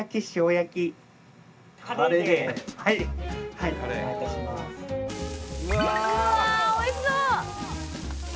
うわおいしそう！